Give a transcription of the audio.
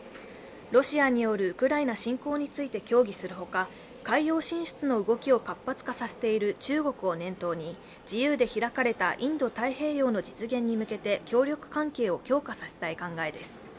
ロシアによるウクライナ侵攻について協議するほか、海洋進出の動きを活発化させている中国を念頭に自由で開かれたインド太平洋の実現に向けて協力関係を強化させたい考えです。